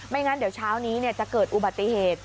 งั้นเดี๋ยวเช้านี้จะเกิดอุบัติเหตุ